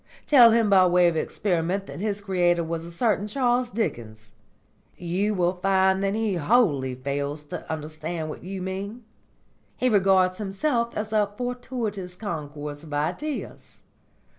Tell him by way of experiment that his creator was a certain Charles Dickens. You will find that he wholly fails to understand what you mean. He regards himself as a fortuitous concourse of ideas.